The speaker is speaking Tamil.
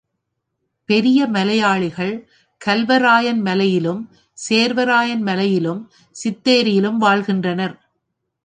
பெரிய மலையாளிகள் கல்வராயன் மலையிலும், சேர்வராயன் மலையிலும், சித்தேரியிலும் வாழ்கின்றனர்.